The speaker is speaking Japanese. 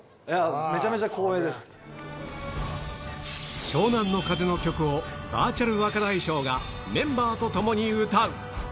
めちゃめちゃ光栄湘南乃風の曲を、バーチャル若大将がメンバーと共に歌う。